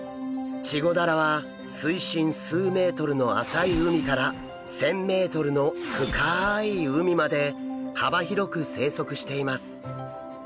チゴダラは水深数ｍの浅い海から１，０００ｍの深い海まで幅広く生息しています。